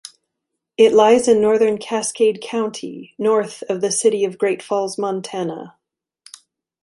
It lies in northern Cascade County, north of the city of Great Falls, Montana.